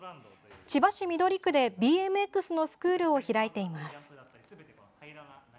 千葉市緑区でＢＭＸのスクールを開いています。